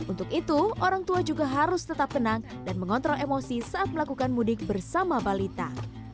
untuk itu orang tua juga harus tetap tenang dan mengontrol emosi saat melakukan mudik bersama balita